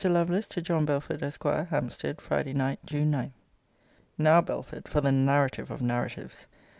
LOVELACE, TO JOHN BELFORD, ESQ. HAMPSTEAD, FRIDAY NIGHT, JUNE 9. Now, Belford, for the narrative of narratives.